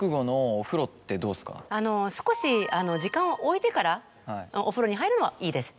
少し時間を置いてからお風呂に入るのはいいです。